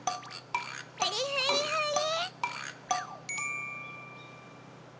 ふりふりふり。